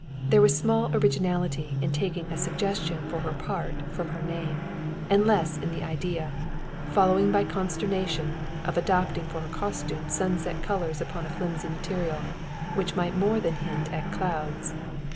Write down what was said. There was small originality in taking a suggestion for her part from her name, and less in the idea, following by concatenation, of adopting for her costume sunset colors upon a flimsy material, which might more than hint at clouds.